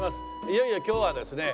いよいよ今日はですね